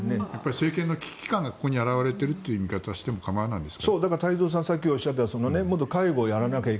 政権の危機感がここに現れているという見方をしてもいいんですか？